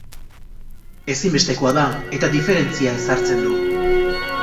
Ezinbestekoa da, eta diferentzia ezartzen du.